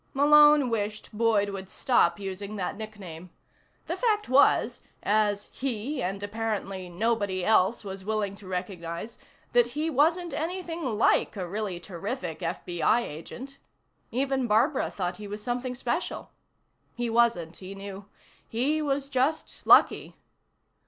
Malone wished Boyd would stop using that nickname. The fact was as he, and apparently nobody else, was willing to recognize that he wasn't anything like a really terrific FBI agent. Even Barbara thought he was something special. He wasn't, he knew. He was just lucky.